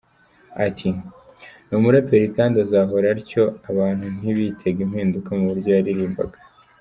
Ati "Ni umuraperi kandi azahora atyo, abantu ntibitege impinduka mu buryo yaririmbaga.